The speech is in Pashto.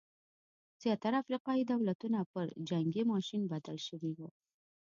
زیاتره افریقايي دولتونه پر جنګي ماشین بدل شوي وو.